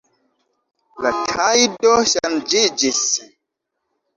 La tajdo ŝanĝiĝis.